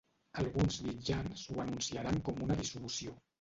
Alguns mitjans ho anunciaran com una dissolució.